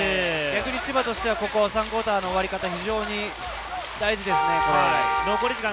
千葉としては第３クオーターの終わり方が非常に大事ですね。